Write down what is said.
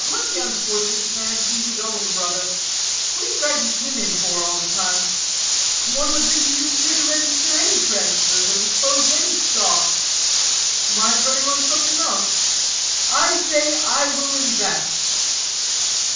"Let the unfortunate man be his own brother. What are you dragging him in for all the time? One would think you didn't care to register any transfers, or dispose of any stock mind running on something else. I say I will invest."